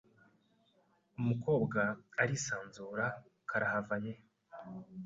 umukobwa arisanzura karahava ye